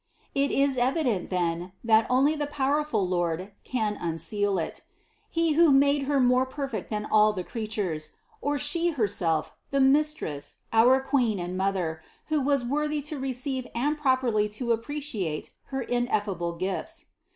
It is evident then, that only the powerful Lord can unseal it ; He who made Her more perfect than all the creatures; or She herself, the Mistress, our Queen and Mother, who was worthy to re ceive and properly to appreciate her ineffable gifts.